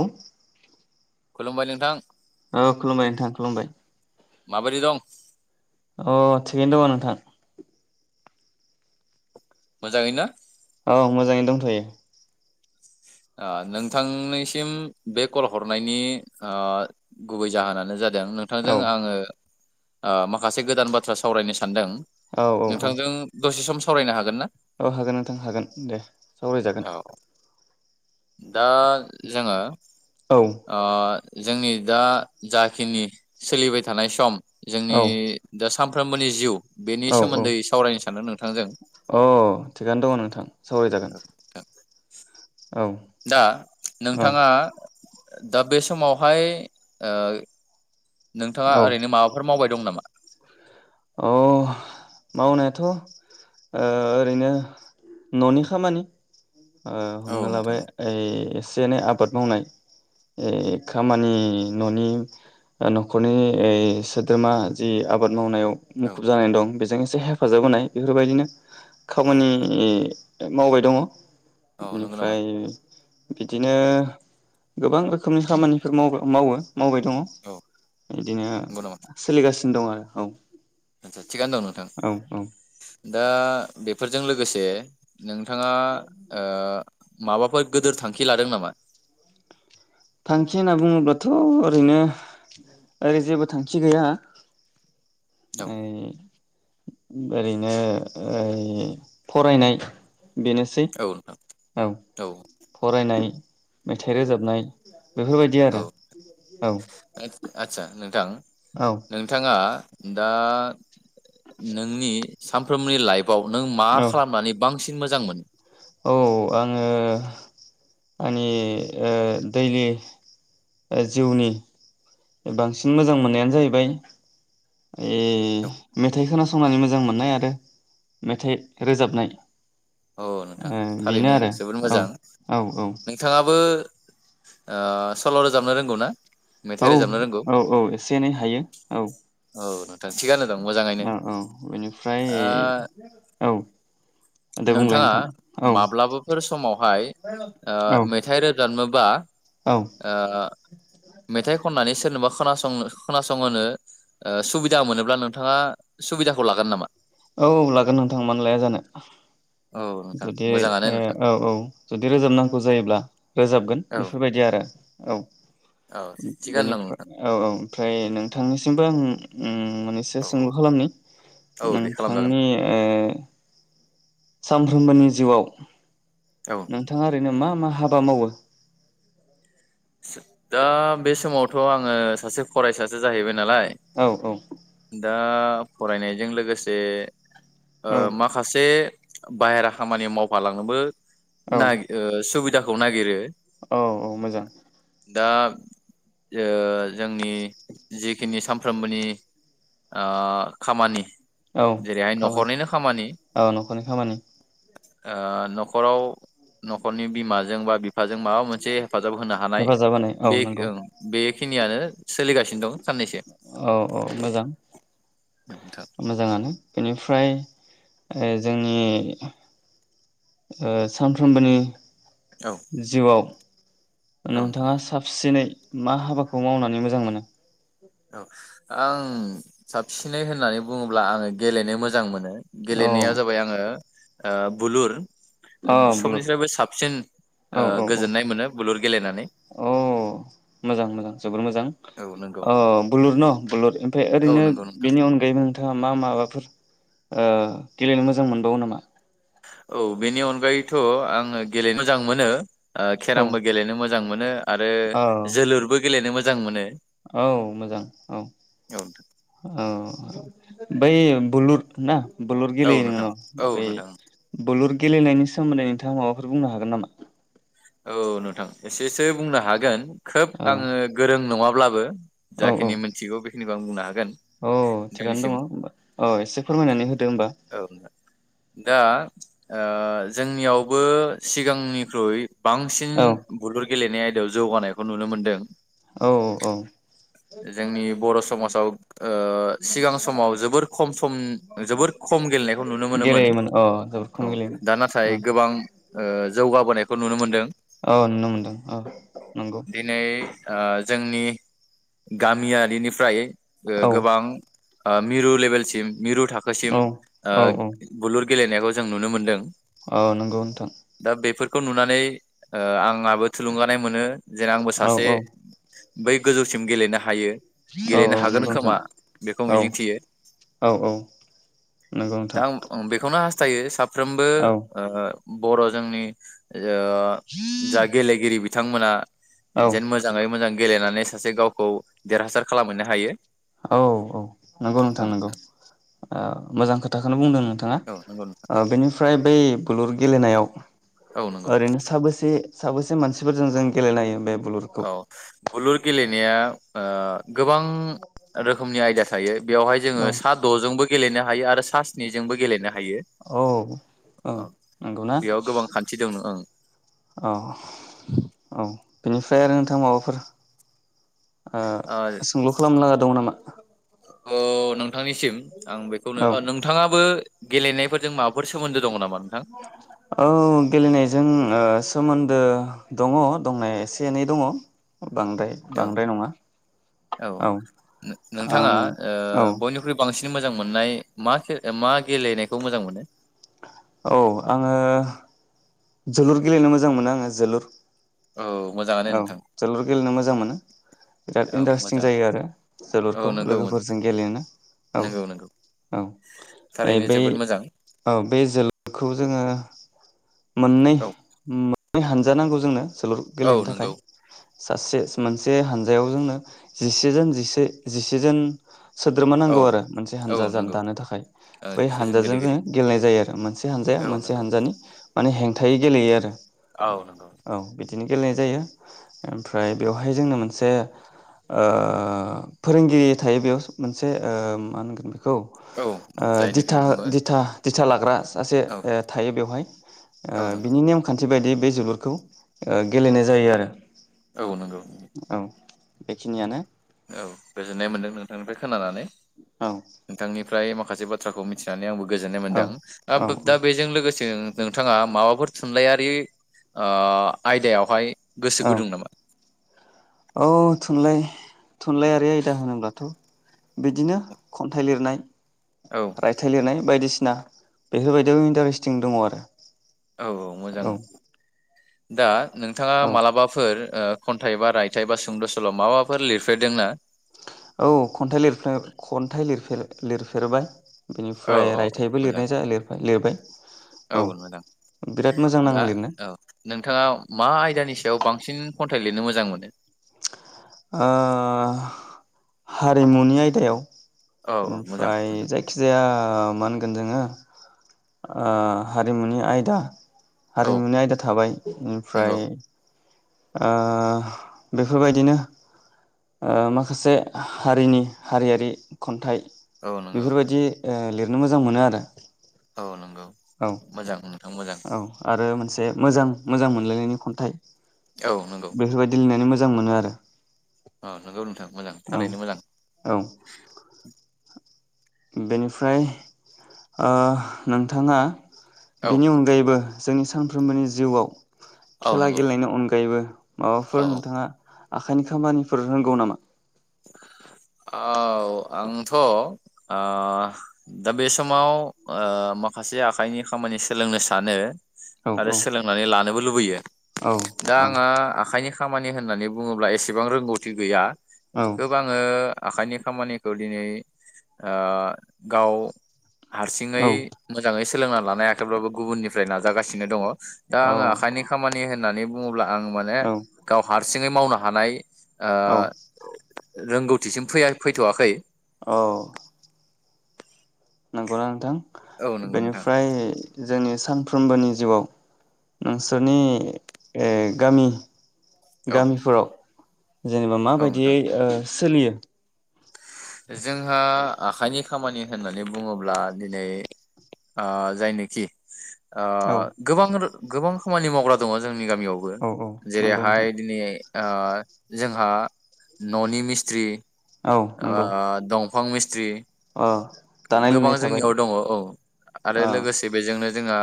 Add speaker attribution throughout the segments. Speaker 1: औ
Speaker 2: खुलुमबाय नोंथां
Speaker 1: औ खुलुमबाय नोंथां खुलुमबाय
Speaker 2: माबोरै दं?
Speaker 1: अ थिगैनो दङ नोंथां
Speaker 2: मोजांयैनोना
Speaker 1: औ मोजाङै दंथ'यो
Speaker 2: ओ नोंथांनिसिम बे कल हरनायनि ओ गुबै जाहोनानो जाद दों
Speaker 1: औ
Speaker 2: नोंथांजों आङो आ माखासे गोदान बाथ्रा सावरायनो सानदों
Speaker 1: औ औ औ
Speaker 2: नोंथांजों दसे सम सावरायनो हागोन ना?
Speaker 1: औ हागोन नोंथां हागोन दे सावरायजागोन
Speaker 2: औ दा जोङो
Speaker 1: औ
Speaker 2: ओ जोंनि दा जाखिनि सोलिबाय थानाय सम जोंनि
Speaker 1: औ
Speaker 2: दा सानफ्रोमबोनि जिउ बेनि
Speaker 1: औ औ
Speaker 2: सोमोन्दै सावरायनो सानदों नों थांजों
Speaker 1: अ थिखआनो दङ' नोंथां सावरायजागोन औ
Speaker 2: [inaudible] दा
Speaker 1: औ
Speaker 2: नोंथाङा दा बे समावहाय ओ नोंथाङा ओरैनो माबाफोर मावबाय दं नामा?
Speaker 1: अ मावनायाथ' ओ ओरैनो न'नि खामानि। ओ
Speaker 2: औ
Speaker 1: हमना
Speaker 2: नोंथां
Speaker 1: लााबाय ऐ से एनै आबाद मावनाय ए खामानि न'नि न'खरनि ऐ सोद्रोमा जि आबाद मावनायाव
Speaker 2: औ
Speaker 1: मुखुब जानानै दं बे जों एसे हेफाजाब होनाय बेफोरबायदिनो
Speaker 2: औ
Speaker 1: खामानि मावबाय दङ।
Speaker 2: औ नंगौ नामा
Speaker 1: बेनिफ्राय बिदिनो गोबां रोखोमनि खामानिफोर माव मावो। मावबाय दङ
Speaker 2: औ
Speaker 1: बिदिनो
Speaker 2: नंगौ नामा
Speaker 1: सोलिगासिनो। नो दं आरो औ
Speaker 2: आदसा थिगानो दं
Speaker 1: औ औ
Speaker 2: नोंथां दा बे फोरजों लोगोसे नों नोंथाङा ओ माबाफोर गोदोर थांखि लादों नामा?
Speaker 1: थांखि होनना बुङोब्लाथ' ओरैनो ओरै जेबो थांखि गैया।
Speaker 2: औ
Speaker 1: ओयै ओरैनो फरायनाय बेनोसै
Speaker 2: औ नोंथां औ
Speaker 1: फरायनाय मेथाइ रोजाबनाय बेफोरबायदि
Speaker 2: औ
Speaker 1: आरो औ
Speaker 2: आदसा नोंथां
Speaker 1: औ
Speaker 2: नोंथाङा दा नोंनि सानफ्रोमनि लाइफ नों मा
Speaker 1: औ
Speaker 2: खालामनानै बांसिन मोजां मोन
Speaker 1: औ आङो आंनि दैलि जिउनि बांसिन मोजां मोननायानो जाहैबाय ए मेथाइ खोनासंनानै मोजां मोननाय आरो मेथाइ रोजाबनाय
Speaker 2: औ नोंथां
Speaker 1: ओ बेनो
Speaker 2: थारैनो
Speaker 1: आरो
Speaker 2: जोबोद मोजां
Speaker 1: औ
Speaker 2: नोंथाङाबो सल' रोजाबनो रोंगौ ना? मेथाइ
Speaker 1: औ
Speaker 2: रोजाबनो रोंगौ
Speaker 1: औ औ एसे एनै हायो औ
Speaker 2: औ नोंथां थिगानो दं मोजाङैनो
Speaker 1: औ औ बेनिफ्राय
Speaker 2: ओ
Speaker 1: औ दे बुंलाय
Speaker 2: नोंथाङा
Speaker 1: नोंथां औ
Speaker 2: माब्लाबाफोर समावहाय ओ
Speaker 1: औ
Speaker 2: मेथाइ रोजाबनोबा
Speaker 1: औ
Speaker 2: ओ मेथाइ खननानै सोरनोबा खोनासंनो खोनासंहोनो सुबिदा मोनोब्ला नोंथाङा सुबिदाखौ लागोन नामा?
Speaker 1: औ लागोन नोंथांमोननानै लाया जानो
Speaker 2: औ नोंथां
Speaker 1: जुदि
Speaker 2: मोजाङानो
Speaker 1: औ
Speaker 2: नोंथां
Speaker 1: औ जुदि रोजाबनांगौ जायोब्ला रोजाबगोन
Speaker 2: औ
Speaker 1: बेफोरबायदि आरो औ
Speaker 2: औ थिगानो दं
Speaker 1: बेनिफ्राय
Speaker 2: नोंथां
Speaker 1: औ औ ओमफ्राय नोंथांनिसिमबो आं ओम मोनैसो सोंलु खालामनि
Speaker 2: औ दे
Speaker 1: ओं
Speaker 2: खालामजागोन
Speaker 1: थांनि सानफ्रोमबोनि जिउआव
Speaker 2: औ
Speaker 1: नोंथाङा ओरैनो मा मा हाबा मावो?
Speaker 2: दा बे समावथ' आङो सासे फरायसासो जाहैबाय नालाय
Speaker 1: औ औ
Speaker 2: दा दा फरायनायजों लोगोसे ओ
Speaker 1: औ
Speaker 2: माखासे बाहेरा खामानि मावफालाङोबो
Speaker 1: औ
Speaker 2: नायग ओ सुबिदाफ खौ नागिरो
Speaker 1: औ औ मोजां
Speaker 2: दा ओ जोंनि जिखिनि सामफ्रोमबोनि आ खामानि
Speaker 1: औ
Speaker 2: जेरैहाय
Speaker 1: खामानि
Speaker 2: न'खरनिनो
Speaker 1: औ न'खरनि खामानि
Speaker 2: आ न'खराव न'खरनि बिमाजों बा बिफाजों माबा मोनसे हेफाजाब होनो हानाय
Speaker 1: खालाबानाय औ नंगौ
Speaker 2: खिनियानो सोलिगासिनो दं। साननैसो
Speaker 1: औ औ मोजां
Speaker 2: नोंथां
Speaker 1: मोजाङानो बेनिफ फ्राय ओ जोंनि ओ सानफ्रोमबोनि
Speaker 2: औ
Speaker 1: जिउआव
Speaker 2: औ नोंथां
Speaker 1: नोंथाङा साबसिनै मा हाबाखौ मावनानै मोजां मोनो?
Speaker 2: औ आं साबसिनै होननानै बुङोब्ला आङो गेलेनो मोजां मोनो।
Speaker 1: औ
Speaker 2: गेलेनाया जाबाय आङो आ बुलुर
Speaker 1: अ बुलुर
Speaker 2: सबनिफ्रायबो साबसिन ओ
Speaker 1: औ औ औ
Speaker 2: गोजोननाय मोनो बुलुर गेलेनानै
Speaker 1: अ मोजां मोजां जोबोर मोजां।
Speaker 2: औ नंगौ
Speaker 1: अ बुलुर न' बुलुर ओमफाय
Speaker 2: औ
Speaker 1: ओरैनो
Speaker 2: नंगौ नोंथां
Speaker 1: बेनि अनगायैबो नोंथाङा मा माबाफोर ओ गेलेनो मोजां मोनबावो नामा?
Speaker 2: औ बेनि अनगायैथ' आङो गेलेनो मोजां मोनो ओ
Speaker 1: औ
Speaker 2: केरामबो गेलेनो मोजां मोनो आरो
Speaker 1: औ
Speaker 2: जोलुरबो गेलेनो मो जां मोनो।
Speaker 1: औ मोजां औ
Speaker 2: औ
Speaker 1: अ बै बुलुर ना? बुलुर
Speaker 2: औ
Speaker 1: गेलेयो नोङो
Speaker 2: नोंथां
Speaker 1: न'
Speaker 2: औ
Speaker 1: बै
Speaker 2: नोंथां
Speaker 1: बुलुर गेलेनायनि सोमोन्दै नोंथाङा माबाफोर बुंनो हागोन नामा?
Speaker 2: औ नोंथां एसेसो बुंनो हागोन खोब
Speaker 1: औ
Speaker 2: आङो गोरों नङाब्ला बो
Speaker 1: औ औ
Speaker 2: जाखिनि मोनथिगौ बेखिनि बां बुंनो हा
Speaker 1: औ थिगानो दङ औ एसे फोरमायनानै हो
Speaker 2: औ [unintelligible] दा ओ जोंनियावबो सिगांनिख्रुइ बांसिन
Speaker 1: औ
Speaker 2: बुलुर गेलेनाय आयदायाव जौगानायखौ नुनो मोन्दों।
Speaker 1: औ औ
Speaker 2: जोंनि बर'समाजाव ओ सिगां समाव जोबोर खम सम जोबोर खम गेलेनायखौ नुनो मोनोमोन
Speaker 1: गेलेयोमोन अ जोबोद खम
Speaker 2: औ दा नाथाय
Speaker 1: गेलेयोमोन
Speaker 2: गोबां ओ जौगाबोनायखौ नुनो मोन्दों।
Speaker 1: औ नुनो मोनदों औ नंगौ।
Speaker 2: दिनै ओ जोंनि गामियारिनिफ्राय
Speaker 1: औ
Speaker 2: गो-गोबां मिरु लेभेलसिम मिरु थाखोसिम
Speaker 1: औ
Speaker 2: आ
Speaker 1: औ
Speaker 2: बुलुर गेलेनायखौ जों नुनो मोनदों।
Speaker 1: औ नांगौ नोंथां।
Speaker 2: खौ नुनानै ओ आं बो थुलुंगानाय मोनो जेन आंबो
Speaker 1: औ
Speaker 2: सासे बै गोजौसिम गेलेनो हायो
Speaker 1: औ औ
Speaker 2: गेलेनो हागोन
Speaker 1: नंगौ नोंथां
Speaker 2: खोमा बेखौ
Speaker 1: औ
Speaker 2: मिजिंथियो
Speaker 1: औ औ। नंगौ नोंथां।
Speaker 2: नो हासथायो [unintelligible] फ्रोमबो
Speaker 1: औ
Speaker 2: ओ बर' जोंनि ओ जा गेेलगिरि [unintelligible] बिथांमोना
Speaker 1: औ
Speaker 2: जेन मोजाङै मोजां गेलेनानै सासे गावखौ देरहासार खालामहैनो हायो
Speaker 1: औ औ नंगौ
Speaker 2: औ
Speaker 1: नोंथां नंगौ। ओ मोजां खोथाखौनो बुंदों। थाङा
Speaker 2: औ नंगौ नोंथां।
Speaker 1: ओ बेनिफ्राय बै बुलुर गेलेनायाव
Speaker 2: औ नंगौ
Speaker 1: ओरैनो साबोसे? साबेसे मानसिफोरजों जों गेलेनो हायो बे बुलुरखौ
Speaker 2: औ बुलुर गेलेनाया ओ गोबां रोखोमनि आयदा थायो बेयावहाय जोङो
Speaker 1: औ
Speaker 2: सा द'जोंबो गेलेनो हायो आरो [unintelligible] सा स्निजोंबो गेलेनो हायो
Speaker 1: औ
Speaker 2: औ बेयाव गोबां खान्थि दं ओं।
Speaker 1: औ औ बेनिफ्राय आरो नोंथां माबाफोर ओ सोंलु खालामनो लागा दं नामा?
Speaker 2: अ नों नोंथांनिसिम आं बेखौनो
Speaker 1: औ
Speaker 2: ओ नोंथाङाबो गेलेनायफोरजों माब फोर सोमोन्दो दं नामा? नोंथां?
Speaker 1: औ गेलेनायजों ओ सोमोन्द दो दङ दंनाया एसे एनै दङ। बांद्राय
Speaker 2: औ
Speaker 1: बांद्राय नङा
Speaker 2: औ नों
Speaker 1: आं
Speaker 2: नोंथाङा ओ
Speaker 1: औ
Speaker 2: बयनिख्रुइ बांसिन मो मोजां मोननाय मा खे मा गेलेनायखौ मोजां मोनो?
Speaker 1: औ आङो जोलुर गेलेनो मोजां मोनो आङो जोलुर।
Speaker 2: औ मोजाङानो
Speaker 1: औ
Speaker 2: नोंथां
Speaker 1: जोलुर गेलेनो मोजां मोनो बिराद
Speaker 2: औ
Speaker 1: इन्टारेस्टिं
Speaker 2: मोजां
Speaker 1: जायो आरो
Speaker 2: औ
Speaker 1: जोलुरखौ
Speaker 2: नंगौ
Speaker 1: लोगोफोरजों गेलेनो। औ
Speaker 2: नंगौ नंगौ
Speaker 1: औ ओ
Speaker 2: थारैनो
Speaker 1: बै
Speaker 2: जोबोद मोजां
Speaker 1: औ बे जोलुरखौ जोङो मोननै
Speaker 2: औ
Speaker 1: उम मा ना हानजा नांगौ जोंनो। जोलुर
Speaker 2: औ
Speaker 1: गेलेनो थाखाय
Speaker 2: नंगौ
Speaker 1: सासे मोनसे हानजायाव जोंनो जिसेजोन जिसे जिसेजोन सोद्रोमा
Speaker 2: औ
Speaker 1: नांगौ आरो मोनसे
Speaker 2: औ
Speaker 1: हानजा जा
Speaker 2: नंगौ
Speaker 1: दानो थाखाय
Speaker 2: ओ
Speaker 1: बै
Speaker 2: डिसिजन
Speaker 1: हानजाजों जोङो
Speaker 2: गेलेगिरि
Speaker 1: गेलेनाय जायो आरो मोनसे हानजाया
Speaker 2: औ
Speaker 1: मोनसे
Speaker 2: नंगौ
Speaker 1: हानजानि माने हेंथायै गेलेयो आरो
Speaker 2: औ नंगौ।
Speaker 1: औ बिदिनो गेलेनाय जायो ओमफ्राय बेवहाय जोंनो मोनसे ओ फोरोंगिरि थायो बेयाव मोनसे ओ मा होनगोन बे खौ
Speaker 2: औ
Speaker 1: ओ
Speaker 2: जायनोखि
Speaker 1: दिथा
Speaker 2: बुङो
Speaker 1: दिथा दिथा लाग्रा सासे
Speaker 2: औ
Speaker 1: ओ थायो बेवहाय। [inaudible] ओ
Speaker 2: औ नंगौ
Speaker 1: बिनि नेमखान थि बायदियै बे जोलुरखौ ओ गेलेनाय जायो आरो।
Speaker 2: औ नंगौ।
Speaker 1: औ बेखिनियानो।
Speaker 2: औ गोजोननाय मोन्दों नोंथांनिफ्राय खोनानानै।
Speaker 1: औ।
Speaker 2: ओमफ्राय माखासे बाथ्राखौ मिथिनानै आंबो गोजोन्नाय मोनदों दा
Speaker 1: औ
Speaker 2: बो दा बेजों लोगोसे नोंथाङा माबाफोर थुनलाइयारि ओ आयदायावहाय गोसो
Speaker 1: औ
Speaker 2: गुदुं नामा?
Speaker 1: औ थुनलाइ थुनलाइयारि आयदा होनोब्लाथ' बिदिनो खन्थाइ लिरनाय
Speaker 2: औ
Speaker 1: रायथाइ लिरनाय बायदिसिना बेफोरबायदियाव इन्टारेस्टिं दङ आरो।
Speaker 2: औ औ मोजां दा नोंथाङा
Speaker 1: औ
Speaker 2: मालाबाफोर ओ खन्थाइ बा रायथाइ बा सुंद' सल' माबाफोर लिरफेरदों ना?
Speaker 1: औ खन्थाइ लिरफ्ले खन्थाइ लिरफेर-लिरफेरबाय।
Speaker 2: औ
Speaker 1: बिनिफ्राय
Speaker 2: औ
Speaker 1: रायथाइबो
Speaker 2: मोजां
Speaker 1: लिरनाय जा लिरबाय-लिरबाय।
Speaker 2: औ मोजां
Speaker 1: मोजां
Speaker 2: दा
Speaker 1: नाङो लिरनो
Speaker 2: औ नोंथाङा मा आयदानि सायाव बांसिन खन थाय लिरनो मोजां मोनो?
Speaker 1: ओह हारिमुनि आयदायाव
Speaker 2: औ
Speaker 1: ‌।
Speaker 2: औ मोजां
Speaker 1: ओमफ्राय जायखि जाया ओ मानगोन जोङो ओ हारिमुनि आयदा
Speaker 2: औ
Speaker 1: हारिमुनि आयदा थाबाय
Speaker 2: नंगौ
Speaker 1: ओमफ्राय आ बेफोरबायदिनो ओ माखासे हारिनि हारियारि खन्थाइ
Speaker 2: औ नंगौ
Speaker 1: बेफोरबायदि ओ लिरनो मोजां मोनो आरो।
Speaker 2: औ नंगौ
Speaker 1: औ
Speaker 2: मोजां नोंथां मोजां
Speaker 1: औ आरो मोनसे मोजां-मोजां मोनलायनायनि खन्थाइ।
Speaker 2: औ नंगौ
Speaker 1: बेफोरबायदि लिरनानै मोज जां मोनो आरो ‌।
Speaker 2: अ नंगौ नोंथां ‌।
Speaker 1: औ औ। बेनिफ्राय ओह नोंथाङा
Speaker 2: औ
Speaker 1: बेनि अनगायैबो जों सानफ्रोमबोनि जिउआव
Speaker 2: औ
Speaker 1: खेला
Speaker 2: नंगौ
Speaker 1: गेलेनाय अनगायैबो
Speaker 2: औ
Speaker 1: माबाफोर नोंथाङा आखाइनि खामानिफोर रोंगौ नामा?
Speaker 2: औ आंथ' ओ दा बे समाव ओ माखासे आखाइनि खामानि सोलोंनो सानो।
Speaker 1: औ
Speaker 2: आरो
Speaker 1: औ
Speaker 2: सोलोंनानै लानोबो लुबैयो दा
Speaker 1: औ
Speaker 2: आङो आखाइनि ख खामानि होननानै बुङोब्ला एसेबां रोंगौथि गैया।
Speaker 1: औ
Speaker 2: खोब आङो आखाइनि खामानिखौ दिनै ओ गाव हारसिङै
Speaker 1: औ
Speaker 2: मोजाङै सोलोंना ला लायाखैब्लाबो गुबुननिफ्राय नाजागासिनो दङ'। दा आङो
Speaker 1: औ
Speaker 2: आखाइनि खामानि हो नानै बुङो ब्ला आं माने
Speaker 1: औ
Speaker 2: गाव हार सिङै मावनो हानाय
Speaker 1: औ
Speaker 2: ओ। रोंगौथिसिम फै फैथ'वाखै।
Speaker 1: औ। नंगौ ना नोंथां?
Speaker 2: औ नंगौ नोंथां
Speaker 1: बेनिफ्राय जोंनि सानफ्रोमबोनि जिउआव नोंसोरनि ओ गामि
Speaker 2: औ
Speaker 1: गामिफोराव जेनेबा
Speaker 2: औ नोंथां
Speaker 1: माबायदियै ओ। सोलियो
Speaker 2: जोंहा आखाइनि खामानि होननानै बुङोब्ला, दिनै ओ जायनोखि ओ
Speaker 1: औ
Speaker 2: गोबां रो गोबां खामानि मावग्रा दङ' जों नि गामियावबो
Speaker 1: औ नंगौ नोंथां
Speaker 2: जेरैहाय दिनै। ओ जोंहा न'नि मिस्थ्रि
Speaker 1: औ
Speaker 2: ओ
Speaker 1: नंगौ
Speaker 2: ओ दं फां मिस्ट्रि
Speaker 1: अ दानाय
Speaker 2: गोबां
Speaker 1: लुनाय थाबाय
Speaker 2: जोंनियाव दङ' औ आरो
Speaker 1: अ
Speaker 2: लोगोसे बेजोंनो जोंहा।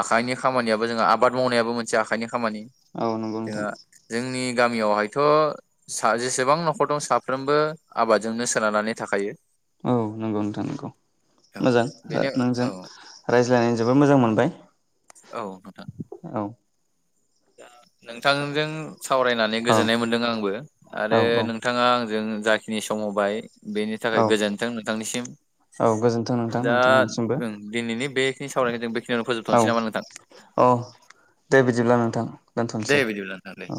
Speaker 2: आखाइनि खामानियाबो जों आबाद मावनायाबो मोनसे आखाइनि। खामानि
Speaker 1: औ नंगौ नोंथां
Speaker 2: जोंहा जोंनि। गामियावहायथ' सा जेसेबां न'खर दं साफ्रोमबो आबादजोंनो सोनारनानै थाखायो।
Speaker 1: औ नंगौ नोंथां नंगौ
Speaker 2: औ
Speaker 1: मोजां
Speaker 2: बेनो औ
Speaker 1: नोंजों। बुजायनायनानै जोबोर मोजां मोनबाय।
Speaker 2: औ नोंथां‌।
Speaker 1: औ
Speaker 2: नोंथांजों सावरायनानै
Speaker 1: औ
Speaker 2: गोजोननाय मोनदों आंबो। आरो
Speaker 1: औ औ
Speaker 2: नोंथाङा आं जों जाखिनि सम होबाय। बेनि थाखाय
Speaker 1: औ
Speaker 2: गोजोन्थों नोंथांनिसिम,
Speaker 1: औ गोजोन्थों नोंथां
Speaker 2: दा
Speaker 1: नोंथांनिसिमबो
Speaker 2: दिनैनि बे [unintelligible]
Speaker 1: औ औ दे बिदिब्ला नों नोंथां।
Speaker 2: दे
Speaker 1: दोनथ'नोसै
Speaker 2: बिदिब्ला नोंथां दे‌।
Speaker 1: औ।